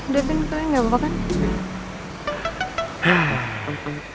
devin tau gak bapak kan